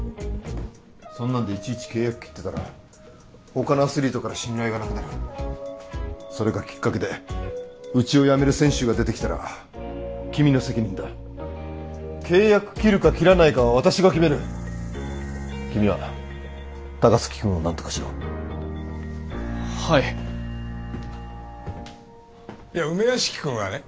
そんなんでいちいち契約切ってたら他のアスリートから信頼がなくなるそれがきっかけでうちをやめる選手が出てきたら君の責任だ契約切るか切らないかは私が決める君は高槻君を何とかしろはい梅屋敷君はね